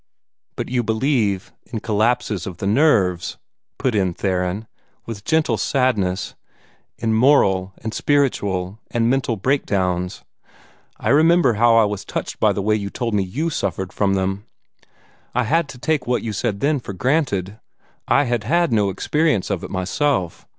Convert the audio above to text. "But you believe in collapses of the nerves," put in Theron, with gentle sadness, "in moral and spiritual and mental breakdowns. I remember how I was touched by the way you told me YOU suffered from them. I had to take what you said then for granted. I had had no experience of it myself.